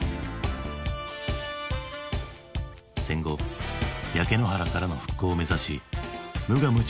戦後焼け野原からの復興を目指し無我夢中に突き進んだ日本。